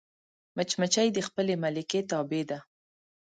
مچمچۍ د خپلې ملکې تابع ده